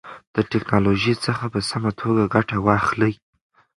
د تکنالوژۍ څخه په سمه توګه ګټه واخلئ.